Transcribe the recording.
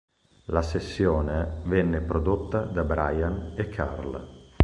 La sessione, venne prodotta da Brian e Carl.